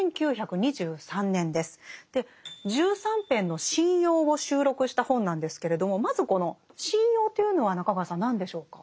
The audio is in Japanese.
１３篇の神謡を収録した本なんですけれどもまずこの「神謡」というのは中川さん何でしょうか？